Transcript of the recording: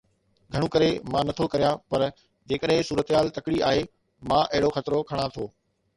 گهڻو ڪري مان نه ٿو ڪريان. پر جيڪڏهن صورتحال تڪڙي آهي، مان اهڙو خطرو کڻان ٿو.